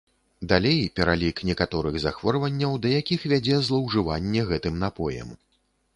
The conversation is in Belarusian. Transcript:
Далей пералік некаторых захворванняў, да якіх вядзе злоўжыванне гэтым напоем.